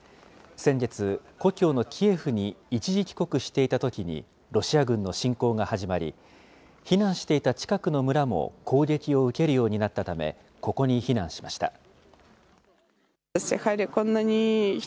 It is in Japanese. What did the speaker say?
先月、故郷のキエフに一時帰国していたときにロシア軍の侵攻が始まり、避難していた近くの村も攻撃を受けるようになったため、ここに避難しました。